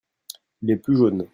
Les plus jaunes.